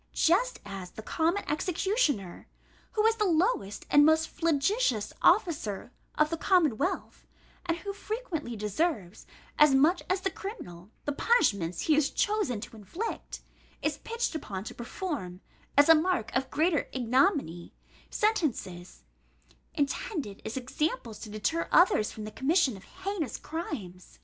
Just as the common executioner, who is the lowest and most flagitious officer of the commonwealth, and who frequently deserves, as much as the criminal, the punishment he is chosen to inflict, is pitched upon to perform, as a mark of greater ignominy, sentences intended as examples to deter others from the commission of heinous crimes.